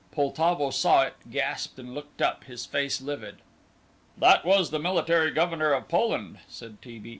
Poltavo saw it, gasped, and looked up, his face livid. "That was the Military Governor of Poland," said T. B.